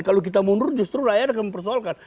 kalau kita mundur justru rakyat akan mempersoalkan